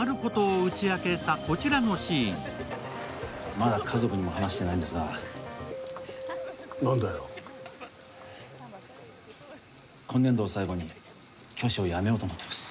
まだ家族にも話してないんですが今年度を最後に教師を辞めようと思っています。